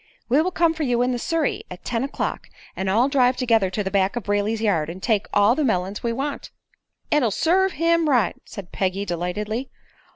"We will come for you in the surrey at ten o'clock, and all drive together to the back of Brayley's yard and take all the melons we want." "It'll serve him right," said Peggy, delightedly.